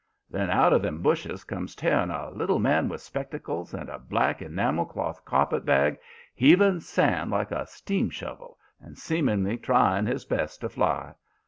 Then out of them bushes comes tearing a little man with spectacles and a black enamel cloth carpetbag, heaving sand like a steam shovel and seemingly trying his best to fly.